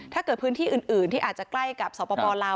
ถ้าเกิดพื้นที่อื่นที่อาจจะใกล้กับสปลาว